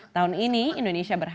tahun ini indonesia berhasil